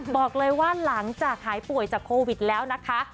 บอกเลยว่าหลังจากหายป่วยจากโควิดแล้วนะคะ